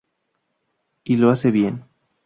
Y lo hace bien".